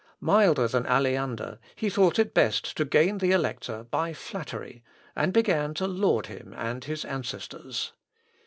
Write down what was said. Milder than Aleander, he thought it best to gain the Elector by flattery, and began to laud him and his ancestors.